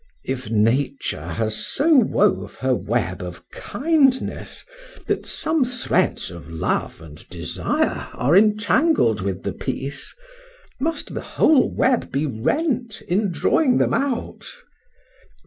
If Nature has so wove her web of kindness, that some threads of love and desire are entangled with the piece,—must the whole web be rent in drawing them out?